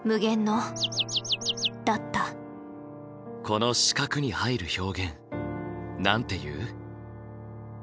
この四角に入る表現なんて言う？